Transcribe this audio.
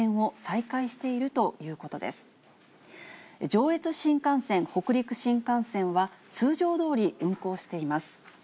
上越新幹線、北陸新幹線は、通常どおり運行しています。